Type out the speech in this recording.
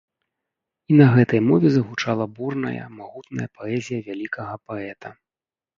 І на гэтай мове загучала бурная, магутная паэзія вялікага паэта.